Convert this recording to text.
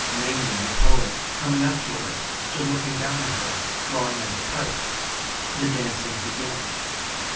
Mangin, the poet, coming up to her, stood looking down at her, drawing at his pipe. The dancing began.